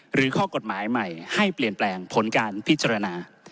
ข้อกฎหมายใหม่ให้เปลี่ยนแปลงผลการพิจารณา